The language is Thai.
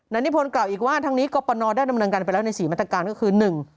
นิพนธ์กล่าวอีกว่าทั้งนี้กรปนได้ดำเนินการไปแล้วในสี่มาตรการก็คือหนึ่ง